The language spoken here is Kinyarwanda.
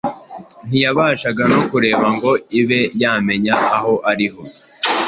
ntiyabashaga no kureba ngo ibe yamenya aho iri